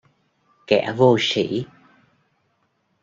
kẻ vô sỉ